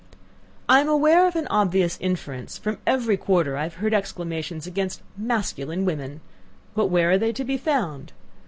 I am aware of an obvious inference: from every quarter have I heard exclamations against masculine women; but where are they to be found?